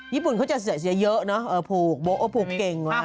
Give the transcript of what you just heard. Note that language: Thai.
ญี่ปุ่นเขาจะเสียเยอะปูกเยอะปูกเก่ง